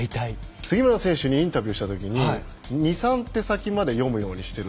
杉村選手にインタビューしたときに２、３手先まで読むことにしている。